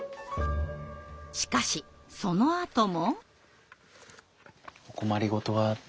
しかしそのあとも。